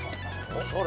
おしゃれ